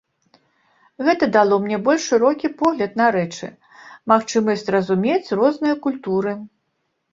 Гэта дало мне больш шырокі погляд на рэчы, магчымасць разумець розныя культуры.